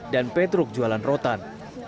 dan petruk jualan rotan